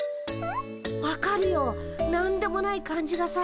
分かるよ何でもない感じがさ